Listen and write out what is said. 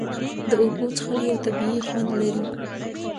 د اوبو څښل یو طبیعي خوند لري.